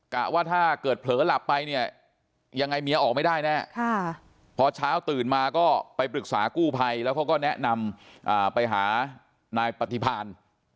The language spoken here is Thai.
ว่าถ้าเกิดเผลอหลับไปเนี่ยยังไงเมียออกไม่ได้แน่พอเช้าตื่นมาก็ไปปรึกษากู้ภัยแล้วเขาก็แนะนำไปหานายปฏิพาณ